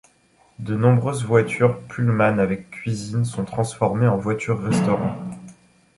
De nombreuses voitures Pullman avec cuisine sont transformées en voitures-restaurant.